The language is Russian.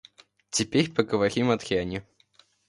Теперь поговорим о дряни.